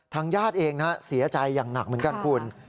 ญาติเองเสียใจอย่างหนักเหมือนกันคุณ